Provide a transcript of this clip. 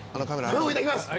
僕もいただきます。